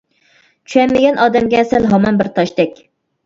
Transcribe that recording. چۈشەنمىگەن ئادەمگە سەن ھامان بىر تاشتەك.